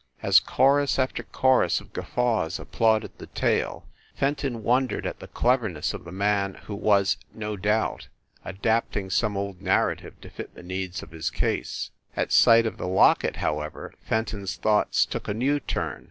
As chorus after chorus of guffaws applauded the tale, Fenton won dered at the cleverness of the man who was, no doubt, adapting some old narrative to fit the needs of his case. At sight of the locket, however, Fenton s thoughts took a new turn.